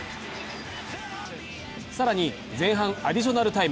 更に、前半アディショナルタイム。